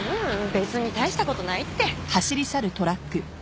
別に大したことないって。